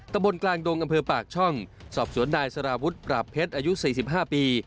ตะบนกลางดงอำเภอปากช่องสอบสวนนายสารวุฒิปราบเพชรอายุ๔๕ปี